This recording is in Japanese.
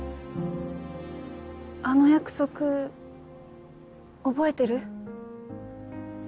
あの約束覚えてる？